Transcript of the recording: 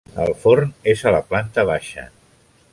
El forn és a la planta baixa.